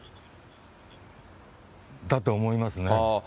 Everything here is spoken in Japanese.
だと思いますね。